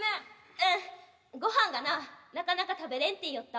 ごはんがななかなか食べれんっていよった。